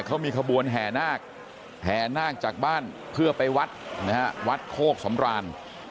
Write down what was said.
เขามีขบวนแห่นาคแห่นาคจากบ้านเพื่อไปวัดนะฮะวัดโคกสำราน